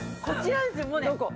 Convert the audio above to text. こちらですよ。